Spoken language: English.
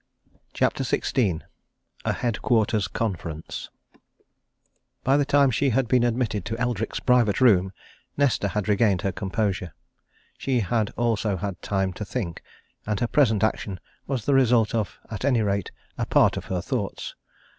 CHAPTER XVI A HEADQUARTERS CONFERENCE By the time she had been admitted to Eldrick's private room, Nesta had regained her composure; she had also had time to think, and her present action was the result of at any rate a part of her thoughts.